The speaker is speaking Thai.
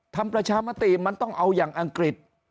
ทำประชามติมันต้องเอาอย่างอังกฤษ